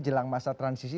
jelang masa transisi